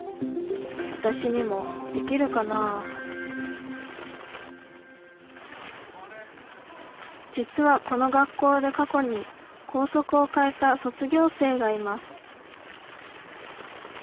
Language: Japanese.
わたしにもできるかな実はこの学校で過去に校則を変えた卒業生がいます